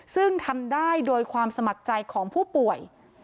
ซึ่งทำได้โดยความสมัครใจของผู้ป่วย